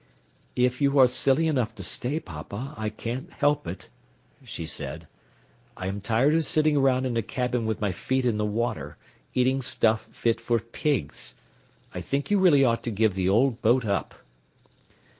"If you are silly enough to stay, papa, I can't help it," she said. "I am tired of sitting around in a cabin with my feet in the water, eating stuff fit for pigs. I think you really ought to give the old boat up."